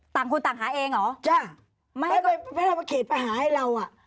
ต่างคนต่างหาเองเหรอจ้ะไม่พระอ้วนเคยไปหาให้เราอ่ะ